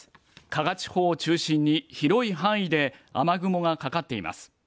加賀地方を中心に広い範囲で雨雲がかかっています。